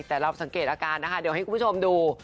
แต่เราสังเกตอาการนะคะเดี๋ยวให้คุณผู้ชมดู